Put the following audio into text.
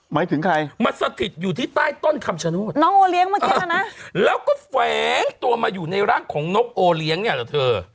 หมายถึงใครมัศกิจอยู่ที่ใต้ต้นคำชะโนธแล้วก็แฝงตัวมาอยู่ในร่างของนกโอเลี้ยงเนี่ยเหรอเธอ